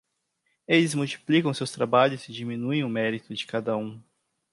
Eles multiplicam seus trabalhos e diminuem o mérito de cada um.